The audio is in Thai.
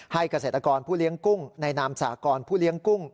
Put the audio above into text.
เกษตรกรผู้เลี้ยงกุ้งในนามสากรผู้เลี้ยงกุ้ง